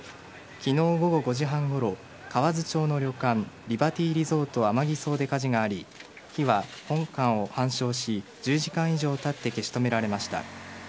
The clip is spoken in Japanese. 昨日午後５時半ごろ河津町の旅館リバティリゾートＡＭＡＧＩＳＯで火事があり火は本館を半焼し１０時間以上たって消し止められました。